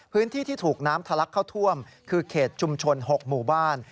ที่ถูกน้ำทะลักเข้าท่วมคือเขตชุมชน๖หมู่บ้าน